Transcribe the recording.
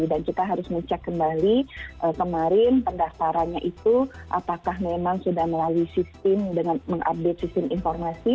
kita harus ngecek kembali kemarin pendaftarannya itu apakah memang sudah melalui sistem dengan mengupdate sistem informasi